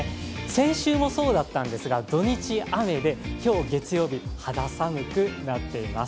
先週もそうだったんですが土日雨で今日、月曜日、肌寒くなっています。